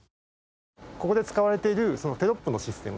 ここで使われているテロップのシステム